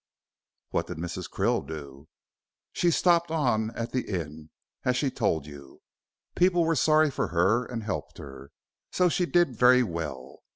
"What did Mrs. Krill do?" "She stopped on at the inn, as she told you. People were sorry for her and helped her, so she did very well.